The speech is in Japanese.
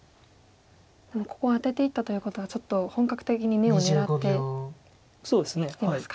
でもここはアテていったということはちょっと本格的に眼を狙ってきてますか。